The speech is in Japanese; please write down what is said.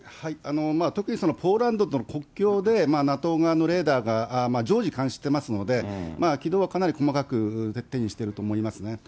特にポーランドとの国境で、ＮＡＴＯ側のレーダーが常時監視していますので、軌道はかなり細かくしていると思いますね。